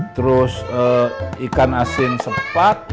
terus ikan asin sepak